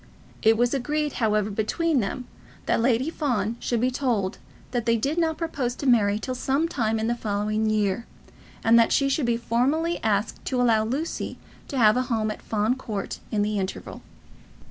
It was agreed, however, between them, that Lady Fawn should be told that they did not propose to marry till some time in the following year, and that she should be formally asked to allow Lucy to have a home at Fawn Court in the interval.